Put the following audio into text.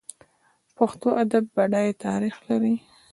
پښتو ادب بډای تاریخ لري.